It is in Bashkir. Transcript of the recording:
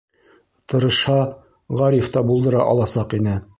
Тырышһа, Ғариф та булдыра аласаҡ ине.